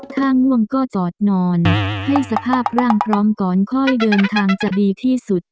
ถ้าง่วงก็จอดนอนให้สภาพร่างพร้อมก่อนค่อยเดินทางจะดีที่สุด